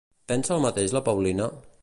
Pensa el mateix la Paulina?